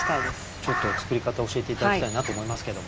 ちょっと作り方教えて頂きたいなと思いますけども。